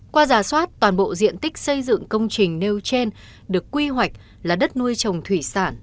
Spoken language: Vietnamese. qua giả soát toàn bộ diện tích xây dựng công trình nêu trên được quy hoạch là đất nuôi trồng thủy sản